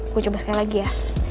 gue coba sekali lagi ya